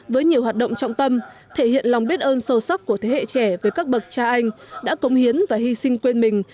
điều hoạt động trọng tâm thể hiện lòng biết ơn sâu sắc của thế hệ trẻ với các bậc cha anh đã công hiến và hy sinh quên mình